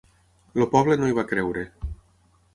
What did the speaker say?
El poble no hi va creure.